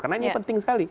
karena ini penting sekali